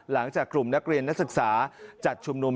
หลังจากกลุ่มนักเรียนนักศึกษาจัดชุมนุม